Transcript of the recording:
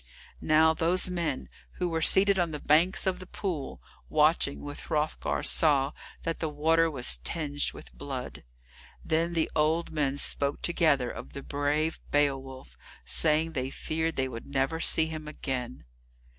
Now those men who were seated on the banks of the pool watching with Hrothgar saw that the water was tinged with blood. Then the old men spoke together of the brave Beowulf, saying they feared they would never see him again.